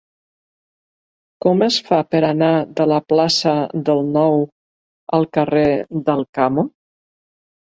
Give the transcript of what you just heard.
Com es fa per anar de la plaça del Nou al carrer d'Alcamo?